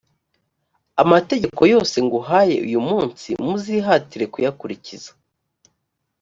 amategeko yose nguhaye uyu munsi muzihatire kuyakurikiza